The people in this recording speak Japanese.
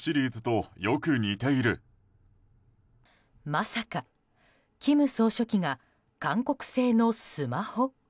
まさか金総書記が韓国製のスマホ？